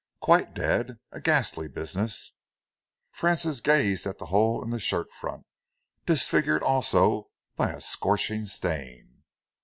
"Quite dead! A ghastly business!" Francis gazed at the hole in the shirt front, disfigured also by a scorching stain.